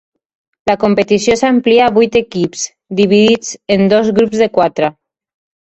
La competició s'amplià a vuit equips, dividits en dos grups de quatre.